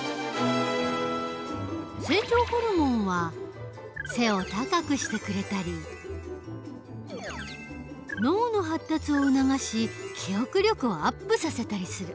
成長ホルモンは背を高くしてくれたり脳の発達を促し記憶力をアップさせたりする。